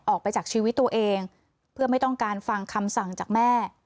ออกไปจากชีวิตตัวเองเพื่อไม่ต้องการฟังคำสั่งจากแม่